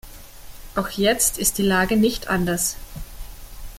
Auch jetzt ist die Lage nicht anders.